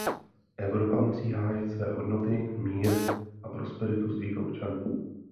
Evropa musí hájit své hodnoty, mír a prosperitu svých občanů.